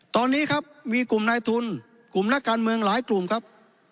ตอนนี้ครับมีกลุ่มนายทุนกลุ่มนักการเมืองหลายกลุ่มครับ